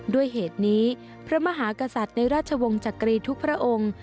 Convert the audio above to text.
ด้วยเหตุนี้พระมหากษัตริย์ในราชวงศ์จักรีทุกพระองค์